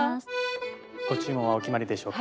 ご注文はお決まりでしょうか？